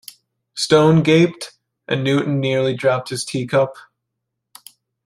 Stone gaped, and Newton nearly dropped his teacup.